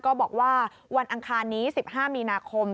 บอกว่าวันอังคารนี้๑๕มีนาคม